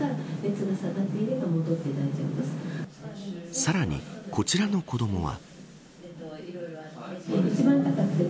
さらに、こちらの子どもは。